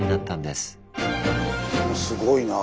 すごいなあ。